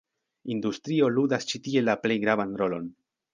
Industrio ludas ĉi tie la plej gravan rolon.